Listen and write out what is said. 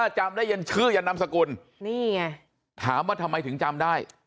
จำได้ยันชื่อยันนามสกุลนี่ไงถามว่าทำไมถึงจำได้